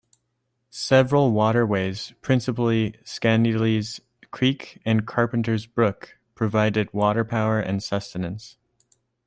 Several waterways, principally Skaneateles Creek and Carpenter's Brook, provided water power and sustenance.